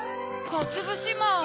かつぶしまん！